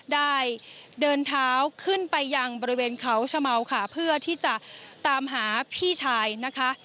ได้เดินเท้าขึ้นไปยังบริเวณเขาชะเมาค่ะเพื่อที่จะตามหาพี่ชายนะคะ